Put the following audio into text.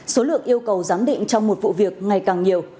số lượng yêu cầu giám định trong một vụ việc ngày càng nhiều